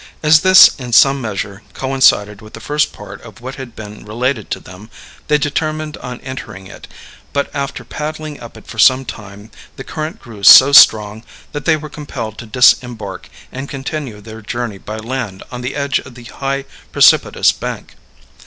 As this in some measure coincided with the first part of what had been related to them, they determined on entering it; but after paddling up it for some time the current grew so strong that they were compelled to disembark and continue their journey by land on the edge of the high precipitous bank.